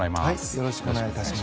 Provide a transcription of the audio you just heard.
よろしくお願いします。